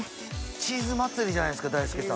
チーズ祭りじゃないですか大輔さん。